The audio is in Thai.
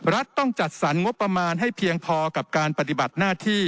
รัฐต้องจัดสรรงบประมาณให้เพียงพอกับการปฏิบัติหน้าที่